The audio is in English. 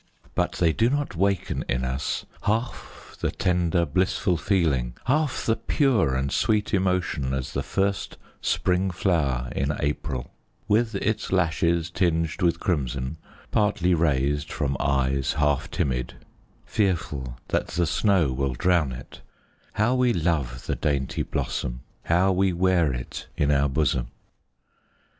But they do not waken in us Half the tender, blissful feeling, Half the pure and sweet emotion As the first spring flower in April, With its lashes tinged with crimson, Partly raised from eyes half timid, Fearful that the snow will drown it; How we love the dainty blossom, How we wear it in our bosom.